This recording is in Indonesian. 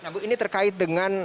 nah bu ini terkait dengan